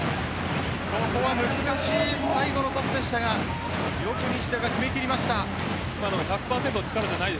ここは難しい最後のトスでしたがよく西田が決め切りました。